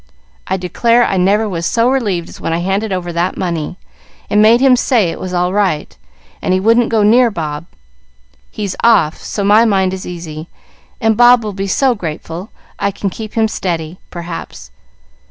I declare I never was so relieved as when I handed over that money, and made him say it was all right, and he wouldn't go near Bob. He's off, so my mind is easy, and Bob will be so grateful I can keep him steady, perhaps.